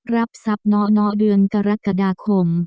รับทรัพย์เนาะเดือนกรกฎาคม